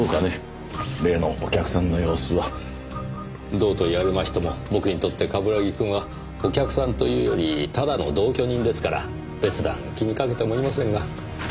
どうと言われましても僕にとって冠城くんはお客さんというよりただの同居人ですから。別段気にかけてもいませんが。